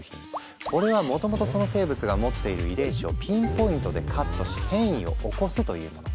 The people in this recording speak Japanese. これはもともとその生物が持っている遺伝子をピンポイントでカットし変異を起こすというもの。